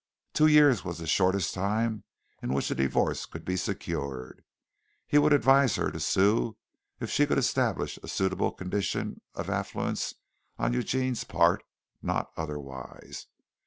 Two years was the shortest time in which a divorce could be secured. He would advise her to sue if she could establish a suitable condition of affluence on Eugene's part, not otherwise.